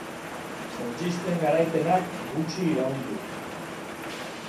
Sentsisten garaipenak gutxi iraun du.